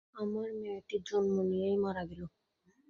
আমার মেয়েটি জন্ম নিয়েই মারা গেল।